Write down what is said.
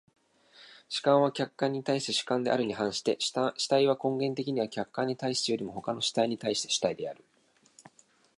主観は客観に対して主観であるに反して、主体は根源的には客観に対してよりも他の主体に対して主体である。